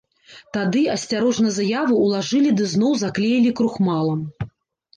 Тады асцярожна заяву ўлажылі ды зноў заклеілі крухмалам.